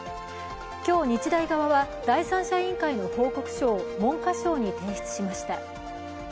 今日、日大側は第三者委員会の報告書を文科省に提出しました。